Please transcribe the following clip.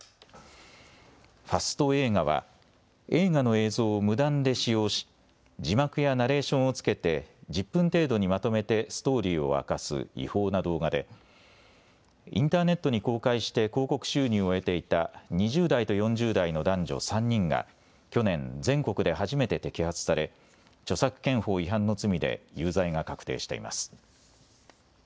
ファスト映画は映画の映像を無断で使用し字幕やナレーションをつけて１０分程度にまとめてストーリーを明かす違法な動画でインターネットに公開して広告収入を得ていた２０代と４０代の男女３人が去年、全国で初めて摘発され著作権法違反の罪で有罪が確定しています。